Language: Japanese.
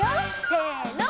せの！